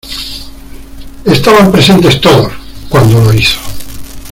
Estaban presentes todos, cuando lo hizo.